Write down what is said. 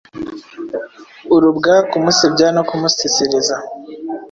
urubwa, kumusebya no kumusesereza?